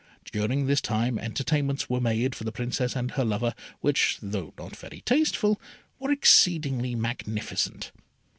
During this time entertainments were made for the Princess and her lover, which, though not very tasteful, were exceedingly magnificent.